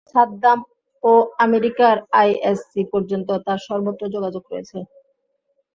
সাদ্দাম ও আমেরিকার আইএসসি পর্যন্ত তাঁর সর্বত্র যোগাযোগ রয়েছে।